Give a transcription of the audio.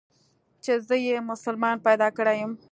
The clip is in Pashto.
چې زه يې مسلمان پيدا کړى يم.